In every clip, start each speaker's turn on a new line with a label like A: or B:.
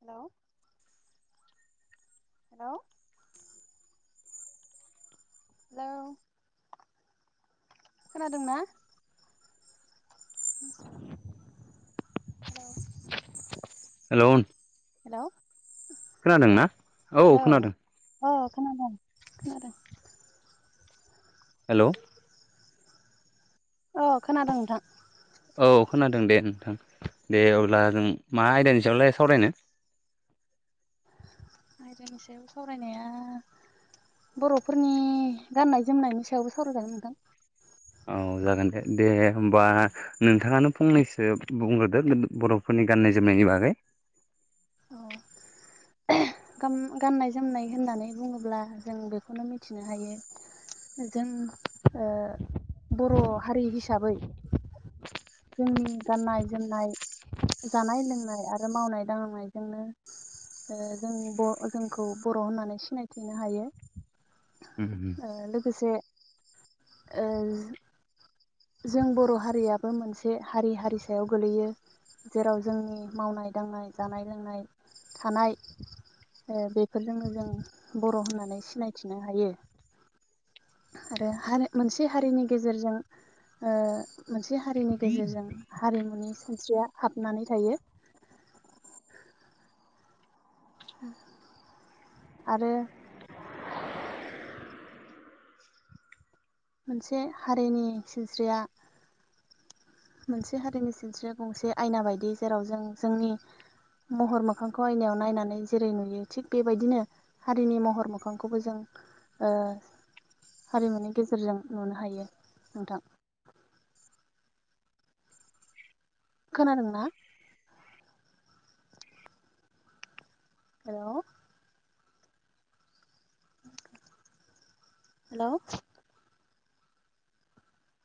A: हेल' hello hello खोनादोंना? Hello
B: hello
A: hello
B: खोनादों ना औ
A: हेलौ
B: खोनादों
A: अ खोनादों खोनादों
B: हेलौ
A: औ खोनादों नोंथां
B: औ खोनादों दे नोंथां दे अब्ला जों मा आयदानि सायावलाय सावरायनो
A: आाइरानि सायाव सावरायनाया बर'फोरनि गाननाय जोमनायनि सायावबो सावरायजागोन नोंथां
B: औ जागोन दे दे होमबा नोंथाङानो फंनैसो बुंग्रोदो बर'फोरनि गाननाय जोमनायनि बागै
A: अ गाननाय जोमनाय होननानै बुङोब्ला जों बेखौनो मिथिनो हायो जों बर' हारि हिसाबै जोंनि गाननाय जोमनाय जानाय लोंनाय आरो मावनाय दांनायजोंनो जों जोंखौ बर' होननानै सिनायथिनो हायो
B: होनब्ला
A: लोगोसे जों बर' हारियाबो मोनसे हारि हारि सायाव गोलैयो जेराव जोंनि मावनाय दांनाय जानाय लोंनाय थानाय बेफोरजोंनो जों बर' होननानै सिनायथिनो हायो आरो हा मोनसे हारिनि गेजेरजों मोनसे हारिनि गेजेरजों हारिमुनि सानस्रिया हाबनानै थायो [inaudible] आरो मोनसे हारिनि सिनस्रिया मोनसे हारिनि सिनस्रि गंसे आयना बायदि जेराव जों जोंनि महर मोखांखौ आयनायाव नायनानै जेरै नुयो थिग बेबायदिनो हारिनि महर मोखांखौबो जों हारिमुनि गेजेरजों नुनो हायो नोंथां [inaudible] खोनादों ना हेल' हेलौ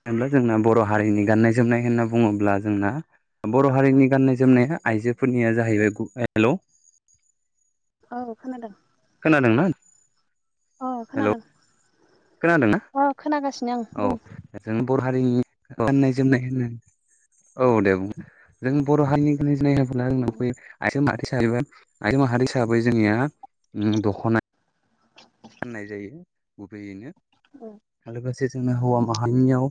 B: जेब्ला जोंना बर' हारिनि गाननाय जोमनाय होनना बुङोब्ला जोंना बर' हारिनि गाननाय जोमनाया आइजोफोरनिया जाहैबाय हेलौ
A: औ खोनादों
B: खोनादोंना?
A: अ
B: हेलौ
A: खोनादों
B: खोनादोंना
A: अ खोनागासिनो आं
B: औ
A: बुं
B: जों बर' हारिनि गाननाय जोमनाय होनो औ दे बुं जों बर' हारिनि गाननाय जोमनाय होन्ला जोंनाव फैयो आइजो माहारि हिसाबै जोंनिया दख'ना फाननाय जायो गुबैयैनो
A: औ
B: जे जों हौवा माहारियाव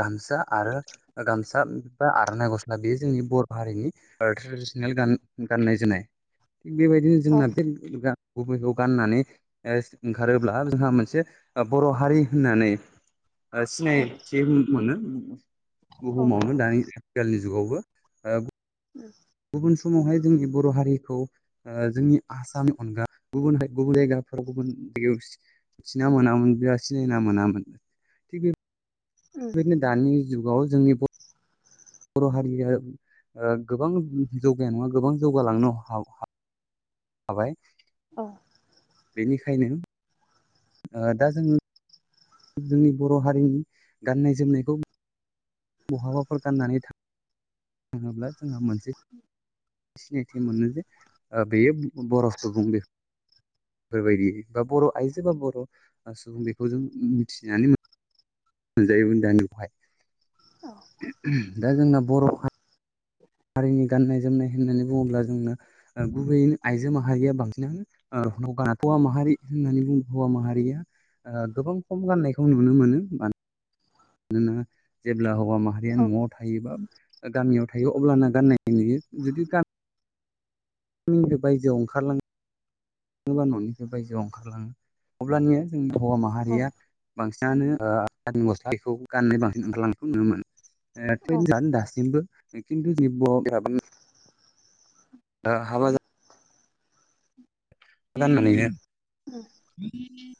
B: गामसा आरो गामसा आर'नाइ गस्ला बे जोंनि बर' हारिनि ट्रेडिसनेल गाननाय जोमनाय थिग बेबायदिनो जोंना बे गुबैखौ गाननानै ओंखारोब्ला जोंहा मोनसे बर' हारि होननानै
A: औ
B: सिनायथि मोनो बुहुमावनो दानि आथिखालनि जुगावबो ओ गुबुन समावहाय जोंनि बर' हारिखौ जोंनि ओ आसामनि अनगा गुबुन गुबुन जायगा आव गुबुनमिथिना मोनामोना सिनायना मोनामोन थिग बे
A: उम
B: बेबायदिनो दानि जुगाव जोंनि बर' हारिया ओ गोबां जौगानाय नङा गोबां जौगालांनो हाबाय
A: औ
B: बेनिखायनो ओ दा जों जोंनि बर' हारिनि गाननाय जोमनायखौ बहाबाफोर गाननानै थाङोब्ला जोंहा मोनसे सिनायथि मोनो जे ओ बेयो बर' सुबुं बेफोरबायदि बा बर' आइजो बा बर' सुबुं बेखौ जों मिथिनानै मोनजायो बेवहाय दा जोंना बर' हारिनि गाननाय जोमनाय होननानै बुङोब्ला जोंनो गुबैयै आइजो माहारिया बांसिनानो ओ हौवा माहारि होननानै हौवा माहारिया ओ गोबां खम गाननायखौ नुनो मोनो माने मानोना जेब्ला हौवा माहारिया
A: औ
B: न'आव थायोबा गामियाव थायो अब्लाना गाननायखौ नुयो जुदि गा मिनिफ्राय बायजोआव ओंखारलाङोबा न'निफ्राय बायजोआव ओंखारलाङो अब्लानिया जों हौवा माहारिया बांसिनानो ओ आनि गस्ला बेखौ गाननाय बांसिन ओंखारलांनायखौ नुनो मोनो
A: औ
B: ट्रेन जानो दासिमबो खिन्थु जोंनि बर'फोराबो दा हाबा [unintelligible]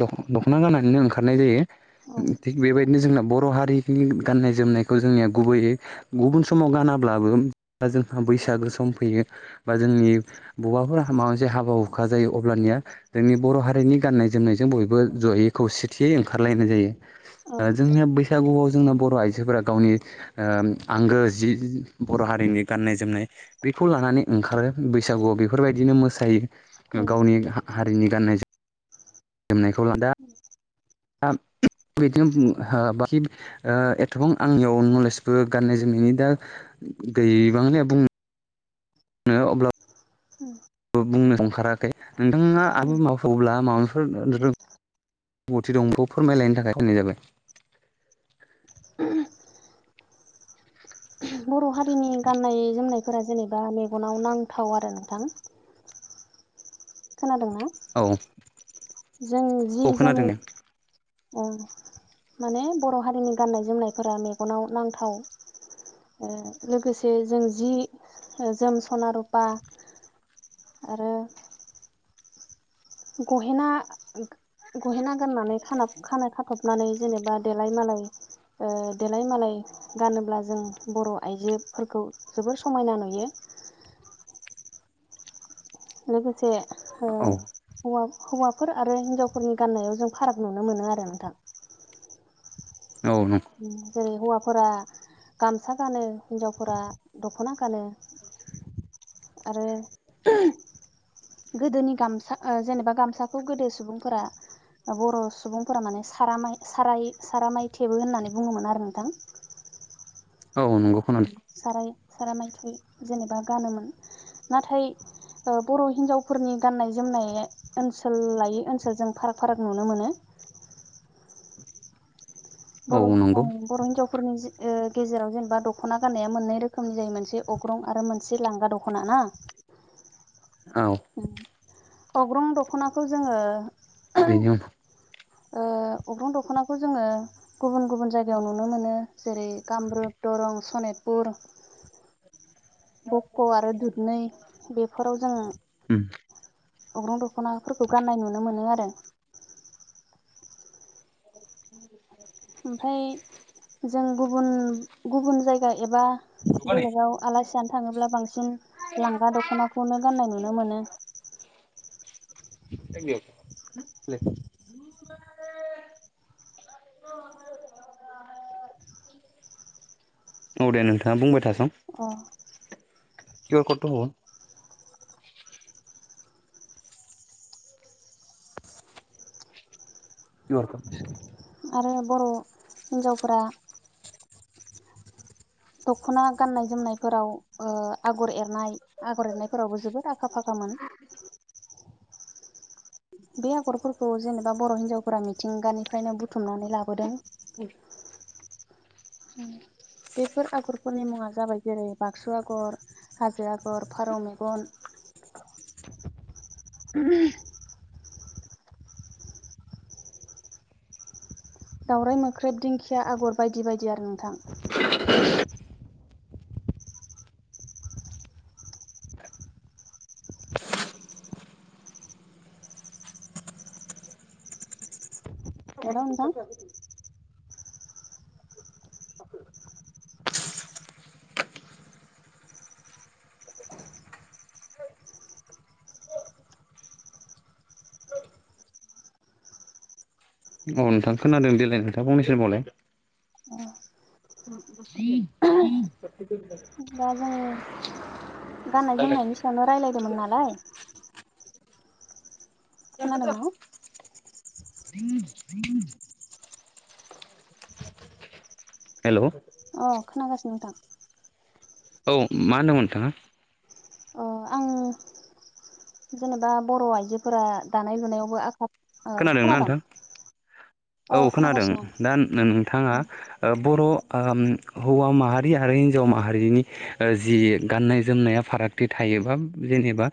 B: दख-दख'ना गानानैनो ओंखारनाय जायो
A: औ
B: थिग बेबायदिनो जोंना बर' हारिनि गाननाय जोमनायखौ जोंनिया गुबैयै गुबुन समाव गाना ब्लाबो बा जोंहा बैसागो सम फैयो बा जोंनि बबाफोरा माबा मोनसे हाबा हुखा जायो अब्लानिया जोंनि बर' हारिनि गाननाय जोमनाय जों बयबो जयै खौसेथियै ओंखारलायनाय जायो‌‌ ओ जोंनिया बै सागुआव जोंना बर' आइजोफोरा गावनि ओ आंगो जि बर' हारिनि गाननाय जोमनाय बेखौ लानानै ओंखारो बैसागुआव बेफोरबायदिनो मोसायो गावनि हा-हारिनि गाननाय जोमनायखौ ला दा आ बिदिनो बुंङो हो बाखि ओ एथबां आंनियाव नलेजबो गाननाय जोमनायनि दा गैबांलिया बुं नो अब्ला बुंनो ओंखाराखै नोंथाङा आबो मावफावोब्ला माबाफोर रोंगौथि दंखौ फोरमायलायनो थाखाय खालायनाय जाबाय
A: बर' हारिनि गाननाय जोमनायफोरा जेनेबा मेगनाव नांथाव आरो नोंथां खोनादोंना
B: औ
A: जों जि
B: औ
A: जोम
B: खोनादों
A: ओ माने बर हारिनि गाननाय जोमनायफोरा मेगनाव नांथाव ओ लोगोसे जों जि ओ जोम सना रुपा आरो गहेना गहेना गाननानै खाना खाना खाथबनानै जेनेबा देलाइ मालाय ओ देलाइ मालाय गानोब्ला जों बर' आइ जोफोरखौ जोबोर समायना नुयो लोगोसे ओ
B: औ
A: हौवा हौवाफोर आरो हिनजावफोरनि गान्नायाव जों फाराग नुनो मोनो आरो नोंथां
B: औ
A: जेरै हौवाफोरा गामसा गानो हिन्जावफोरा दख'ना गानो आरो गोदोनि गामसा ओ जेनेबा गामसाखौ गोदो सुबुंफोरा बर' सुबुंफोरा माने समाय सारामाय साराइ सारामाइ थेबो होननानै बुंङोमोन आरो नोंथां [inaudible]
B: औ नोंगौ खोनादो
A: सारामाय थुयो जेनेबा गानोमोन नाथाय बर' हिन्जावफोरनि गाननाय जोमनाय ओनसोल लायै ओनसोलजों फाराग फाराग नुनो मोनो
B: औ
A: बर'
B: नंगौ
A: ओं बर' हिनजाव फोरनि जे ओ गेजेराव जेनेबा दख'ना गाननाया मोननै रोखोमनि जायो मोनसे अग्रं आरो मोनसे लांगा दख'ना ना
B: औ
A: उम अग्रं दख'नाखौ जोंङो
B: बेनि उनाव
A: ओ अग्रं दख'नाखौ जोंङो गुबुन गुबुन जायगायाव नुनो मोनो जेरै कामरुप दरं सनितपुर बक आरो दुदनै बेफोराव जोंङो
B: औ
A: अग्रं दख'नाफोरखौ गान्नाय नुनो मोनो आरो
B: [inaudible]
A: ओमफाय जों गुबुन गुबुन जायगा एबा बेलेगाव आलासि जानो थांङोब्ला बांसिन लांगा दख'नाखौनो गाननाय नुनो मोनो [inaudible]
B: [unintelligible] औ दे नोंथांङा बुंबाय था सं
A: अ
B: किउ आर कथ थु हल किउ आर कड आसे ना नाय
A: आरो बर' हिन्जावफोरा दख'ना गाननाय जोमनायफोराव ओ आगर एरनाय आगर एरनायफोरावबो जोबोद आखा फाखा मोन बे आगरफोरखौ जेनेबा बर' हिनजावफोरा मिथिंगानिफ्रायनो बुथुमनानै लाबोदों
B: [unintelligible]
A: औ बेफोर आगरफोरनि मुङा जाबाय जेरै बाक्सु आगर हाजो आगर फारौ मेगन उमहम दावराइ मोख्रेब दिंखिया आगर बायदि बायदि आरो नोंथां हेल' नोंथां
B: अ नोंथां खोनादों देलाय नोंथा फंनैसो होनबावलाय [unintelligible]
A: दा जों गाननाय जोमनायनि सायावनो रायलायदोंमोन नालाय खोनादोंना
B: हेल'
A: अ खोनागासिनो नोंथां
B: औ मा होनदोंमोन नोंथाङा
A: अ आं जेनेबा बर' आइजोफोरा दानाय लुनायावबो आखा अ
B: खोनादोंना
A: खोनादों
B: नोंथां औ
A: अ
B: खोनादों
A: खोनागासिनो आं
B: दा नो नोंथाङा बर' आम हौवा माहारि आरो हिन्जाव माहारिनि ओ जि गाननाय जोमनाया फारागथि थायो एबा जेनेबा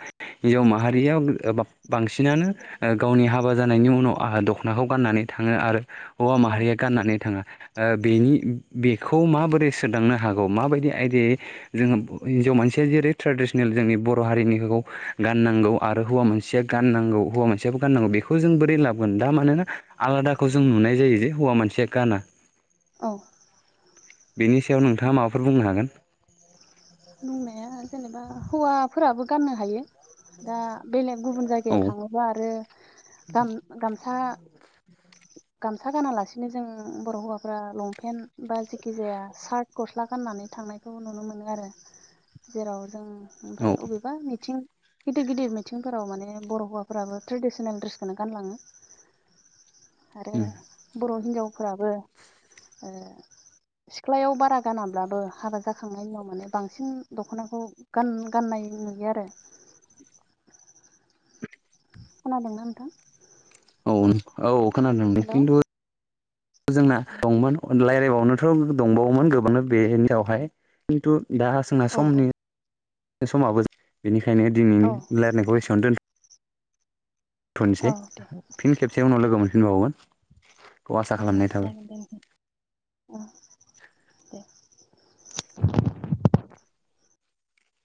B: हिजाव माहारियाव एबा बांसिनानो गावनि हा हाबा जानायनि उनाव आंहा दख'नाखौ गाननानै थाङो आरो हौवा
A: औ
B: माहारिया गाननानै थाङङा बेनि उम उम बे बेखौ माबोरै सोदांनो हागौ माबायदि आयदायै जोङो हिनजाव मानसिया जेरै नेसनेल जोंनि बर' हारिनि हौ गाननांगौ आरो हौवा मोनसिया गाननांगौ हौवा मोनसेयाबो गाननांगौ बेखौ जों जबोरै लाबगोन दा मानोना आं आलादाखौ जोंखौ नुनाय जायो जे हौवा मानसिया गाना
A: औ
B: बेनि सायाव नोंथाङा माबाफोर बुंनो हागोन
A: बुंंनाया जेनेबा हौवाफोराबो गाननो हायो दा बेलेग गुबुन
B: औ
A: जायगायाव थांङोबा आरो गामसा गामसा गानालासिनो जों बर हौवाफ्रा लंपेन्ट बा जेखि जाया सार्ट गस्ला गाननानै नानै थांनायखौ नुनो मोनो आरो जेराव जों
B: औ
A: ओमफ्राय अबेबा मिथिं गिदिर गिदिर मिथिंफोराव माने बर' हौवाफोराबो ट्रेडिसनेल दड्रेसखौनो गानलांङो आरो बर' हिन्जावफोराबो सिख्लायाव बारा गानाब्लाबो हाबा जाखांनायनि उनाव माने बांसिन दखनाखौ गाननाय नुयो आरो खोनादोंना नोंथां
B: औ औ खोनादों दे दों
A: हेल' औ
B: खिन्थु जोंना दंमोन रायज्लायबावनोथ' दंबावोमोन गोबांङानो बेनियावहाय खिन्थु दा सोंनाय
A: औ
B: समनि समाबो बेनिखायनो दिनै
A: औ
B: लायनायखौ एसेबांनो दोन थनोसै
A: औ दे
B: फिन खेबसे उनाव लोगो मोनफिनबावगोन
A: अ जागोन दे नोंथां [unintelligible] औ दे